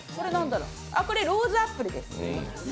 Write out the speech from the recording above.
ローズアップルです。